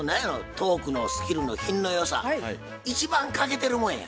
トークのスキルの品の良さ一番欠けてるもんや。